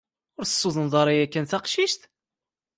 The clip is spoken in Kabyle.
Ur tessudneḍ ara yakan taqcict?